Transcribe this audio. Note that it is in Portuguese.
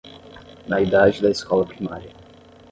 Na idade da escola primária